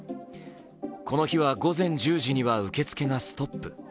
この日は午前１０時には受け付けがストップ。